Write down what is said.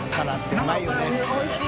おいしい。